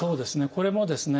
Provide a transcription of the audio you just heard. これもですね